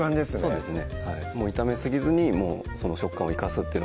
そうですね